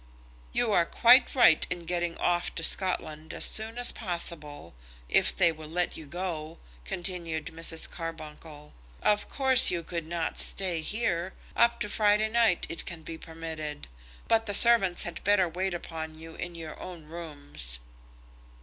"You are quite right in getting off to Scotland as soon as possible, if they will let you go," continued Mrs. Carbuncle. "Of course you could not stay here. Up to Friday night it can be permitted; but the servants had better wait upon you in your own rooms."